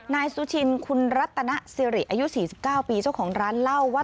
นายสุชินคุณรัตนสิริอายุ๔๙ปีเจ้าของร้านเล่าว่า